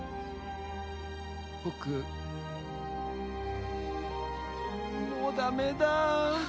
僕もうダメだ。